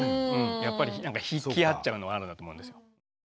やっぱり引き合っちゃうのはあるんだと思うんですよ。